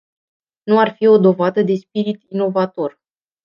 Nu ar fi o dovadă de spirit inovator.